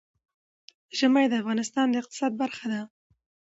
ژمی د افغانستان د اقتصاد برخه ده.